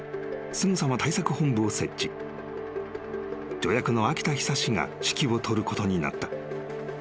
［助役の秋田壽が指揮を執ることになった］